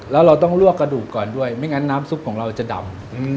แล้วเราต้องลวกกระดูกก่อนด้วยไม่งั้นน้ำซุปของเราจะดำ